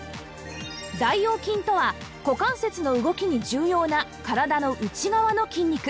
大腰筋とは股関節の動きに重要な体の内側の筋肉